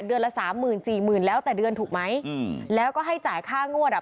ละสามหมื่นสี่หมื่นแล้วแต่เดือนถูกไหมอืมแล้วก็ให้จ่ายค่างวดอ่ะ